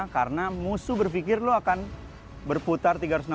karena musuh berpikir lo akan berputar tiga ratus enam puluh